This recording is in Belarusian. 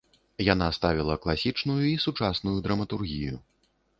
Яна ставіла класічную і сучасную драматургію.